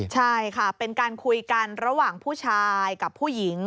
ใช่ค่ะเป็นการคุยกันระหว่างผู้ชายกับผู้หญิง